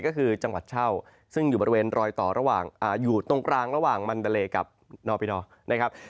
ก็คือจังหวัดเช่าซึ่งอยู่บริเวณรายต่ออยู่ตรงกลางแม่นาเลกับนอปิคอร์นะครับ